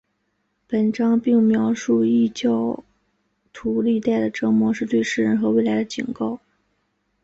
本章并描述异教徒历代的折磨是对世人和未来的警告。